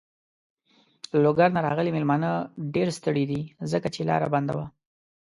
له لوګر نه راغلی مېلمانه ډېر ستړی دی. ځکه چې لاره بنده وه.